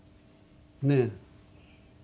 ねえ？